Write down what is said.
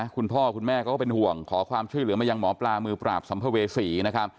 คุณพ่อคุณแม่เขาก็เป็นห่วงขอความช่วยเหลือมายังหมอปลามือปราบสัมภเวษีนะครับ